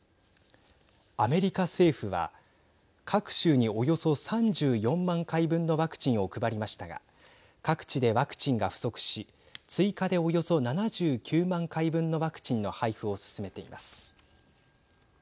アメリカ政府は各州に、およそ３４万回分のワクチンを配りましたが各地でワクチンが不足し追加で、およそ７９万回分のワクチンの配布を進めています。